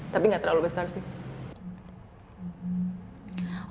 tapi nggak terlalu besar sih